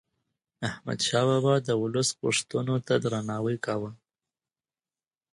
احمد شاه بابا د ولس غوښتنو ته درناوی کاوه.